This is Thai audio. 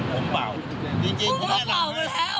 ผมบอกคุณนะถ้าผมเป็นคุณน่ะ